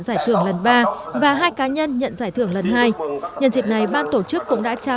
giải thưởng lần ba và hai cá nhân nhận giải thưởng lần hai nhân dịp này ban tổ chức cũng đã trao